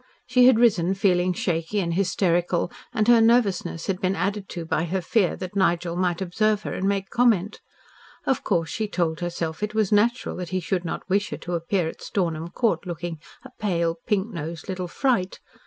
She had risen feeling shaky and hysterical and her nervousness had been added to by her fear that Nigel might observe her and make comment. Of course she told herself it was natural that he should not wish her to appear at Stornham Court looking a pale, pink nosed little fright.